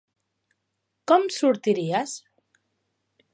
Com sortiries?